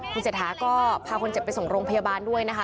คุณเศรษฐาก็พาคนเจ็บไปส่งโรงพยาบาลด้วยนะคะ